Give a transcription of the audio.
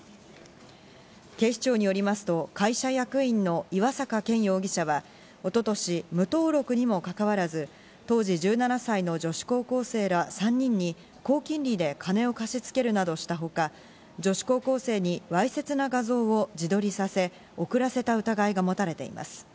警視庁によりますと会社役員の岩坂健容疑者は、一昨年、無登録にもかかわらず、当時１７歳の女子高校生ら３人に高金利で金を貸し付けるなどしたほか、女子高校生にわいせつな画像を自撮りさせ、送らせた疑いが持たれています。